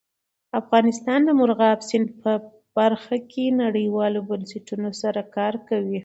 افغانستان د مورغاب سیند په برخه کې نړیوالو بنسټونو سره کار کوي.